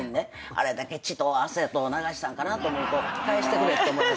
あれだけ血と汗と流したんかなと思うと返してくれって思います。